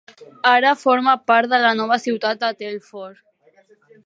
Ara forma part de la nova ciutat de Telford.